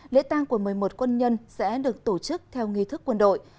lễ tăng của một mươi một quân nhân sẽ được tổ chức theo nghi thức quân đội